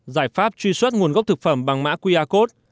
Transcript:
giải pháp truy xuất nguồn gốc thực phẩm bằng mã qr code